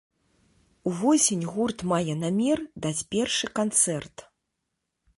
Увосень гурт мае намер даць першы канцэрт.